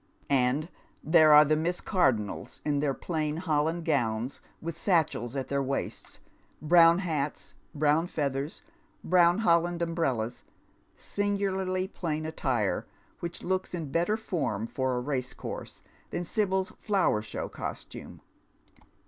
And there are the Miss Cardonnels in their plain holland gowns, with satchels at their waists, brown hats, brown feathers, brown holland um brellas — singularly plain attire, which looks in better fonn for a racecourse than Sibyl's flower show costume.